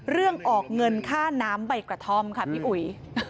ออกเงินค่าน้ำใบกระท่อมค่ะพี่อุ๋ย